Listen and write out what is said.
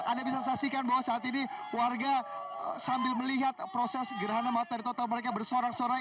anda bisa saksikan bahwa saat ini warga sambil melihat proses gerhana matahari total mereka bersorak sorai